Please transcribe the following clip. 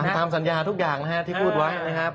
ตามสัญญาทุกอย่างนะครับที่พูดไว้นะครับ